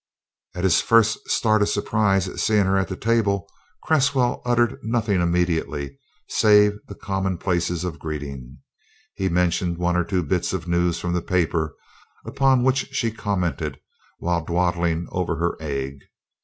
After his first start of surprise at seeing her at the table, Cresswell uttered nothing immediately save the commonplaces of greeting. He mentioned one or two bits of news from the paper, upon which she commented while dawdling over her egg.